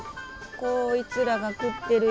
こいつらが食ってるよ。